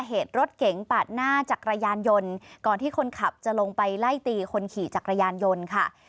เหตุรถเก๋งปาดหน้าจักรยานยนต์ก่อนที่คนขับจะลงไปไล่ตีคนขี่จักรยานยนต์ค่ะ